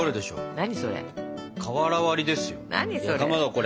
何それ？